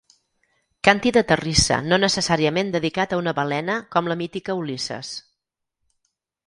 Càntir de terrissa no necessàriament dedicat a una balena com la mítica Ulisses.